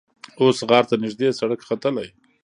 اوس غار ته نږدې سړک ختلی.